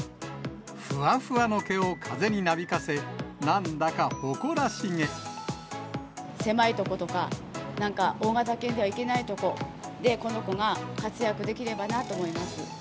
ふわふわの毛を風になびかせ、狭いとことか、なんか大型犬では行けないとこで、この子が活躍できればなと思います。